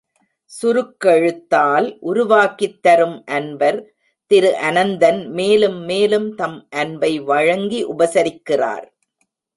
சுருக்கெழுத்தால் உருவாக்கித் தரும் அன்பர் திருஅனந்தன் மேலும் மேலும் தம் அன்பை வழங்கி உபசரிக்கிறார்.